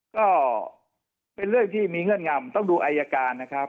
ก็เป็นเรื่องที่มีเงื่อนงำต้องดูอายการนะครับ